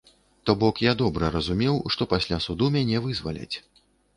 То бок я добра разумеў, што пасля суду мяне вызваляць.